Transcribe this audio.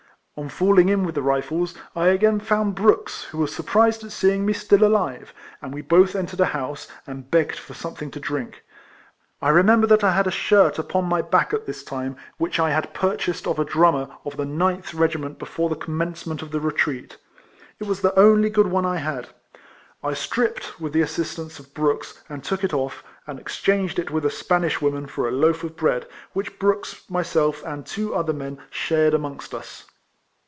On falling in with the Rifles, I again found Brooks, who was surprised at seeing me still alive ; and we both entered a house, and begged for something to drink. I re member that I had a shirt upon my back at this time, which I had purchased of a RIFLEMAN HARRIS. 227 drummer of the Ninth regiment before the commencement of the retreat. It was the only good one I had; I stripped, with the assistance of Brooks, and took it off, and exchanged it with a Spanish woman for a I'j'df of bread, which Brooks, myself, and two other men, shared amongst us.